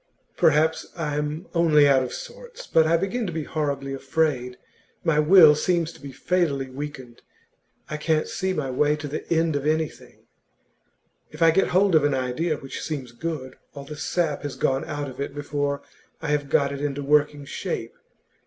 'Perhaps I am only out of sorts. But I begin to be horribly afraid. My will seems to be fatally weakened. I can't see my way to the end of anything; if I get hold of an idea which seems good, all the sap has gone out of it before I have got it into working shape.